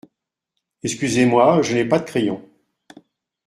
Excusez-moi, je n’ai pas de crayon.